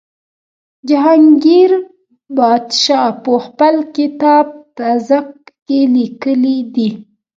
جهانګیر پادشاه په خپل کتاب تزک کې لیکلي دي.